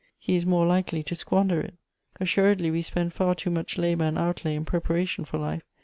He is more likely to squan der it. " Assuredly we spend far too much labor and outlay in preparation for life.